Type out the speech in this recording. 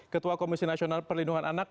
ketua komisi nasional perlindungan anak